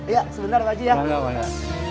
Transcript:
ya sebentar pak haji ya